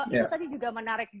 itu tadi juga menarik